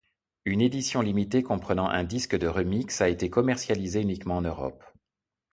Une édition limitée comprenant un disque de remixes a été commercialisée uniquement en Europe.